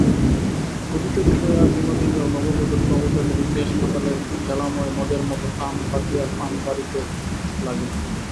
ক্ষুধিতহৃদয়া বিনোদিনীও নববধূর নবপ্রেমের ইতিহাস মাতালের জ্বালাময় মদের মতো কান পাতিয়া পান করিতে লাগিল।